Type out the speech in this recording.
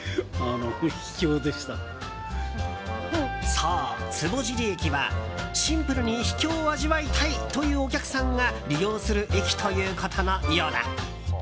そう、坪尻駅はシンプルに秘境を味わいたいというお客さんが利用する駅ということのようだ。